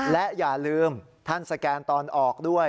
และอย่าลืมท่านสแกนตอนออกด้วย